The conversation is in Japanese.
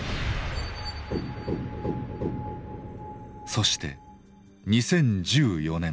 そして２０１４年。